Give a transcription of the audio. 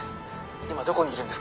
今どこにいるんですか？